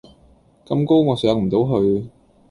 咁高我上唔到去